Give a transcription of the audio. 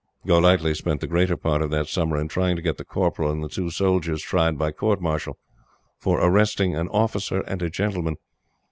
Golightly spent the greater part of that summer in trying to get the Corporal and the two soldiers tried by Court Martial for arresting an "officer and a gentleman."